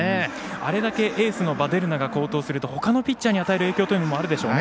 あれだけエースのヴァデルナが好投すると、ほかのピッチャーに与える影響というのもあるでしょうね。